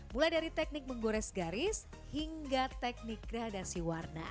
mulai dari teknik menggores garis hingga teknik gradasi warna